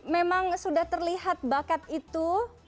memang sudah terlihat bakat itu